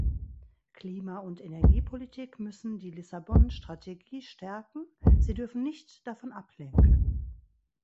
Klima- und Energiepolitik müssen die Lissabon-Strategie stärken, sie dürfen nicht davon ablenken.